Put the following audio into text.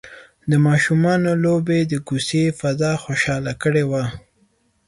د ماشومانو لوبې د کوڅې فضا خوشحاله کړې وه.